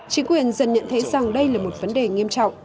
chính quyền dần nhận thấy rằng đây là một vấn đề nghiêm trọng